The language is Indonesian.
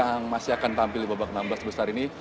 yang masih akan tampil di babak enam belas besar ini